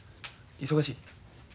忙しい？